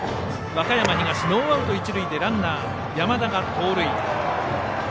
和歌山東、ノーアウト一塁でランナーの山田が盗塁。